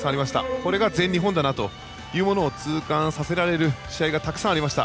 これが全日本だなというのを痛感させられる試合がたくさんありました。